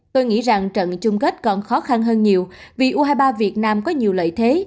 tôi nghĩ rằng trận chung kết còn khó khăn hơn nhiều vì u hai mươi ba việt nam có nhiều lợi thế